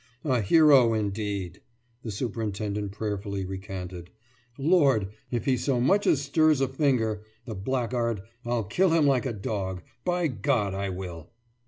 »A hero, indeed!« the superintendent prayerfully recanted. »Lord, if he so much as stirs a finger, the blackguard, I'll kill him like a dog. By God, I will!